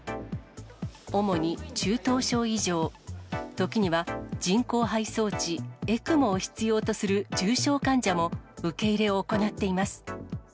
主に中等症以上、時には人工肺装置・ＥＣＭＯを必要とする重症患者も受け入れを行っています。